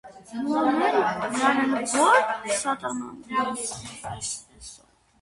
- Նրան էլ ո՞ր սատանան բերեց հենց էսօր: